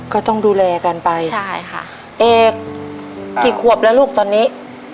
ก็ต้องดูแลกันไปใช่ค่ะเอกกี่ขวบแล้วลูกตอนนี้